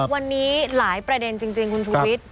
วันนี้หลายประเด็นจริงคุณชูวิทย์